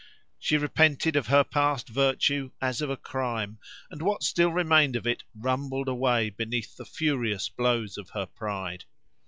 She repented of her past virtue as of a crime, and what still remained of it rumbled away beneath the furious blows of her pride.